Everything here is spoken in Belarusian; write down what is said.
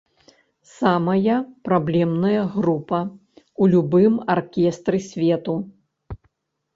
Самая праблемная група ў любым аркестры свету.